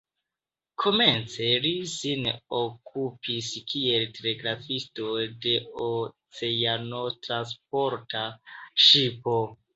Komence li sin okupis kiel telegrafisto de oceanotransporta ŝipo.